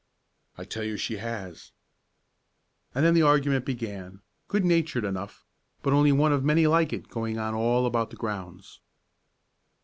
"I tell you she has!" And then the argument began, good natured enough, but only one of many like it going on all about the grounds.